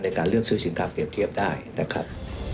การเลือกซื้อสินค้าเปรียบเทียบได้นะครับ